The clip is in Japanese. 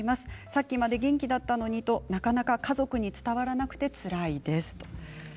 さっきまで元気だったのにとなかなか家族にも伝わりづらくつらいです。